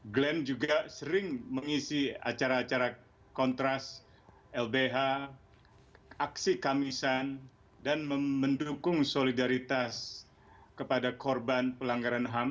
glenn juga sering mengisi acara acara kontras lbh aksi kamisan dan mendukung solidaritas kepada korban pelanggaran ham